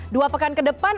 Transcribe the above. dua pekan ke depan